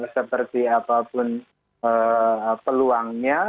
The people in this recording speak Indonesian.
seperti apapun peluangnya